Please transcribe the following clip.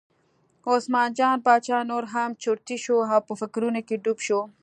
عثمان جان باچا نور هم چرتي شو او په فکرونو کې ډوب شو.